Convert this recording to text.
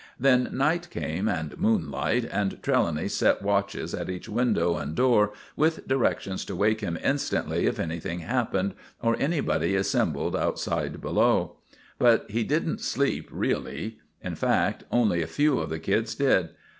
Then night came and moonlight, and Trelawny set watches at each window and door with directions to wake him instantly if anything happened or anybody assembled outside below. But he didn't sleep really. In fact, only a few of the kids did.